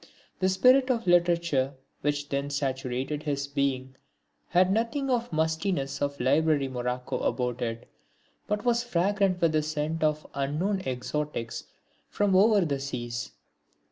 The spirit of literature which then saturated his being had nothing of the mustiness of library morocco about it, but was fragrant with the scent of unknown exotics from over the seas.